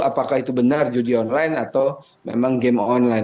apakah itu benar judi online atau memang game online